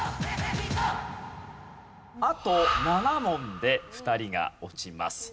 あと７問で２人が落ちます。